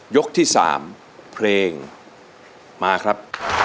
ยกที่๓เพลงมาครับ